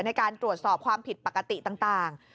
ในการตรวจสอบความผิดปกติต่าง